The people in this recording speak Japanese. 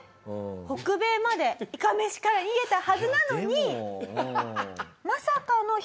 北米までいかめしから逃げたはずなのに。